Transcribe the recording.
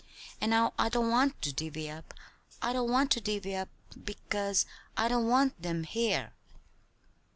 And now I don't want to divvy up, I don't want to divvy up, because I don't want them here!"